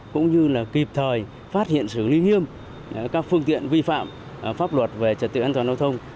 cũng như là kịp thời phát hiện xử lý nghiêm các phương tiện vi phạm pháp luật về trật tự an toàn giao thông